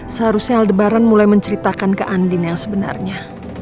seharusnya aldebaran mulai menceritakan ke andin yang sebenarnya